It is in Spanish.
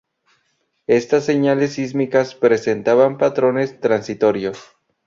Estas señales sísmicas presentaban patrones transitorios.